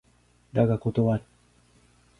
だが断る。